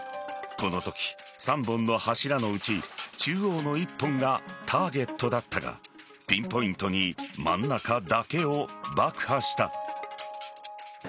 このとき３本の柱のうち中央の１本がターゲットだったがピンポイントに真ん中だけを爆破した。